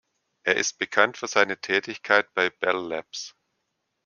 Er ist bekannt für seine Tätigkeit bei Bell Labs.